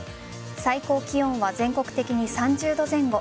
最高気温は全国的に３０度前後。